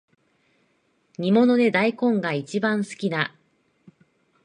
煮物で大根がいちばん好きだ